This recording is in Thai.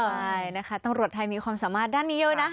ใช่นะคะตำรวจไทยมีความสามารถด้านนี้เยอะนะ